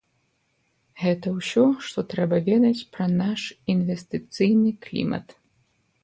Гэта ўсё, што трэба ведаць пра наш інвестыцыйны клімат.